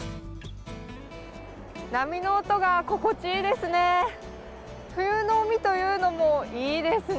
波の音が心地いいですね。